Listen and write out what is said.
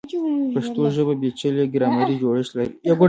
پښتو ژبه پیچلی ګرامري جوړښت لري.